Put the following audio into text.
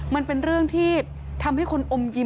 มันเป็นเรื่องที่ทำให้คนอมยิ้ม